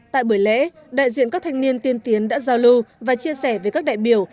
tại buổi lễ đại diện các thanh niên tiên tiến đã giao lưu và chia sẻ với các đại biểu